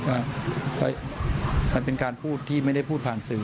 ก็มันเป็นการพูดที่ไม่ได้พูดผ่านสื่อ